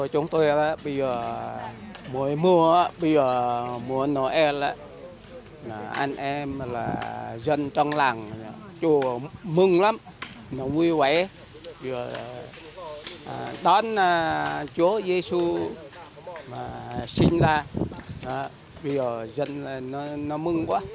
chúa giê xu sinh ra bây giờ dân nó mừng quá